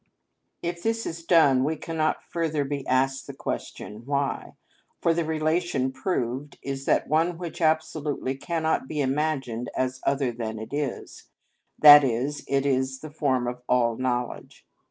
If this is done we cannot further be asked the question, why: for the relation proved is that one which absolutely cannot be imagined as other than it is, i.e., it is the form of all knowledge.